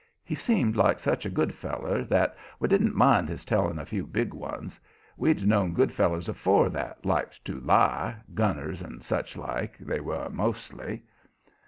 He seemed like such a good feller that we didn't mind his telling a few big ones; we'd known good fellers afore that liked to lie gunners and such like, they were mostly.